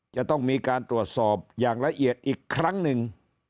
จะต้องมีการตรวจสอบอย่างละเอียดอีกครั้งหนึ่ง